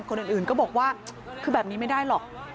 คนอื่นก็บอกว่าคือแบบนี้ไม่ได้หรอก